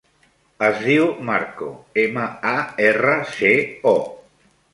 Es diu Marco: ema, a, erra, ce, o.